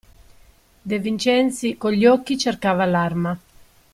De Vincenzi con gli occhi cercava l'arma.